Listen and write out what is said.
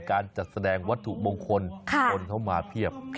การจัดแสดงวัตถุมงคลคนเข้ามาเพียบ